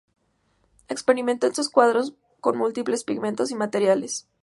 Experimentó en sus cuadros con múltiples pigmentos y materiales.